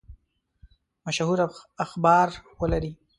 مشهور اخبار ولري.